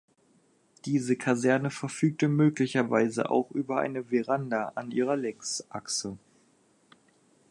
Diese Kaserne verfügte möglicherweise auch über eine Veranda an ihrer Längsachse.